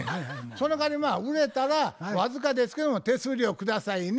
「そのかわり売れたら僅かですけども手数料下さいね」